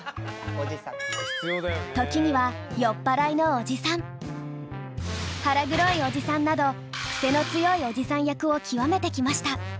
時には「酔っぱらいのおじさん」「腹黒いおじさん」などクセの強いおじさん役を極めてきました。